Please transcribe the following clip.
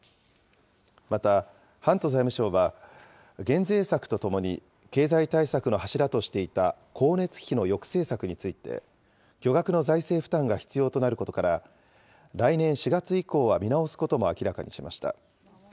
また、ハント財務相は減税策とともに経済対策の柱としていた光熱費の抑制策について、巨額の財政負担が必要となることから、来年４月以降は見直すことも明らかにしました。